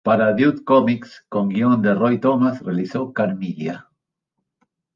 Para Dude Comics y con guion de Roy Thomas, realizó "Carmilla.